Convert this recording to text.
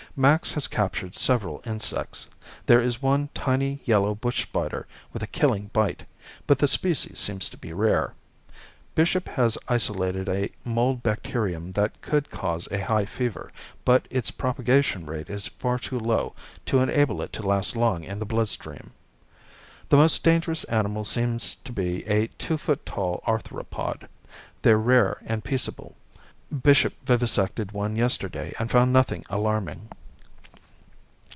Max has captured several insects. There is one tiny yellow bush spider with a killing bite, but the species seem to be rare. Bishop has isolated a mold bacterium that could cause a high fever, but its propagation rate is far too low to enable it to last long in the bloodstream. The most dangerous animal seems to be a two foot tall arthropod. They're rare and peaceable. Bishop vivisected one yesterday and found nothing alarming.